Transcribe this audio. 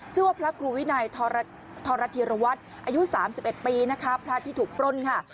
ชื่อว่าพระครูวินัยธรทิรวรรษอายุ๓๑ปีพระที่ถูกปล้นค่ะ